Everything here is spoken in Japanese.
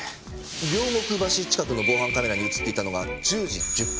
両国橋近くの防犯カメラに映っていたのが１０時１０分。